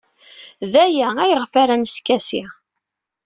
D aya ayɣef ara neskasi.